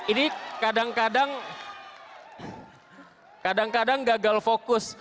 ini kadang kadang gagal fokus